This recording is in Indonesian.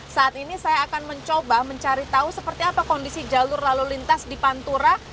saat ini saya akan mencoba mencari tahu seperti apa kondisi jalur lalu lintas di pantura